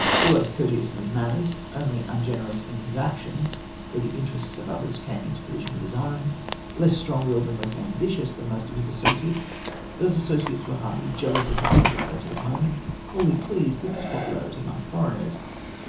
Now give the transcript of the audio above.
Always courteous in his manners, only ungenerous in his actions where the interests of others came into collision with his own, less strong willed and less ambitious than most of his associates, those associates were hardly jealous of his popularity at home, and wholly pleased with his popularity among foreigners.